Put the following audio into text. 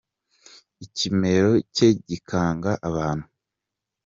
Ikimero cye gikanga abantu.